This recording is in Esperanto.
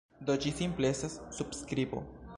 Do, ĝi simple estas subskribo.